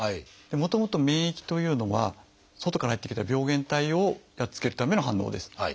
もともと免疫というのは外からやって来た病原体をやっつけるための反応です。